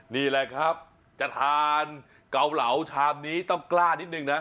นี่แหละครับจะทานเกาเหลาชามนี้ต้องกล้านิดนึงนะ